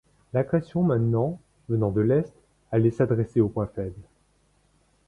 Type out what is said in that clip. L’agression maintenant, venant de l’est, allait s’adresser au point faible.